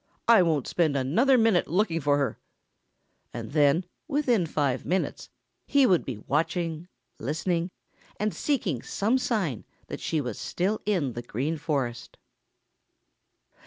I won't spend another minute looking for her," And then within five minutes he would be watching, listening and seeking some sign that she was still in the Green Forest.